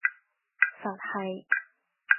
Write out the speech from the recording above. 佛系